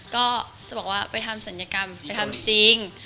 ก็จะบอกว่าไปทำศัลยกรรมไปทำจริง